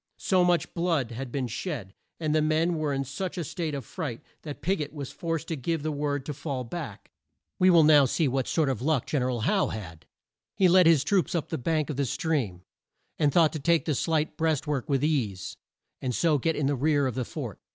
So much blood had been shed, and the men were in such a state of fright, that Pig ot was forced to give the word to fall back. We will now see what sort of luck Gen er al Howe had. He led his troops up the bank of the stream, and thought to take the slight breast work with ease, and so get in the rear of the fort.